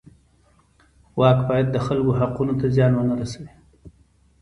واک باید د خلکو حقونو ته زیان ونه رسوي.